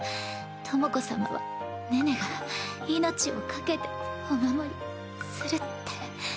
倫子様は寧々が命を懸けてお守りするって。